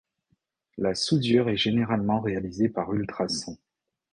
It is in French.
La soudure est généralement réalisée par ultrasons.